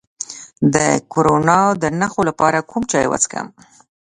د کرونا د نښو لپاره کوم چای وڅښم؟